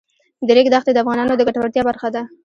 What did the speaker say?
د ریګ دښتې د افغانانو د ګټورتیا برخه ده.